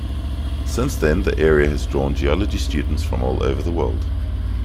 Since then the area has drawn Geology students from all over the world.